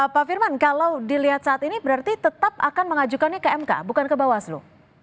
pak firman kalau dilihat saat ini berarti tetap akan mengajukannya ke mk bukan ke bawaslu